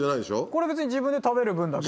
これ別に自分で食べる分。